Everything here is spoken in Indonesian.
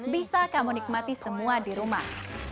bisa kamu nikmati semua di rumah